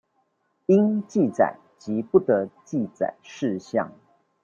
應記載及不得記載事項